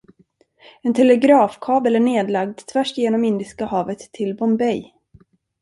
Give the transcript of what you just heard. En telegrafkabel är nedlagd tvärs genom Indiska havet till Bombay.